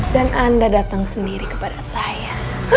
dan anda datang sendiri kepada saya